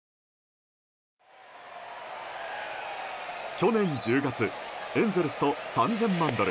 去年１０月エンゼルスと３０００万ドル